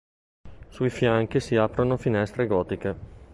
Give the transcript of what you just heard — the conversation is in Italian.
Sui fianchi si aprono finestre gotiche.